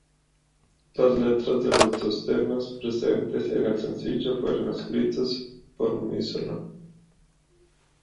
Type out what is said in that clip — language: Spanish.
Las letras de los dos temas presentes en el sencillo fueron escritos por misono.